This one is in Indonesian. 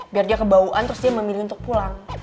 biar dia kebawaan terus dia memilih untuk pulang